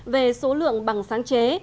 về số lượng bằng sáng chế